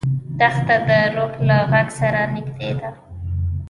دښته د روح له غږ سره نږدې ده.